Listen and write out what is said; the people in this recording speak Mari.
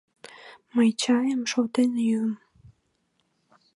Мый чайым шолтен йӱым.